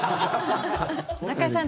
中居さん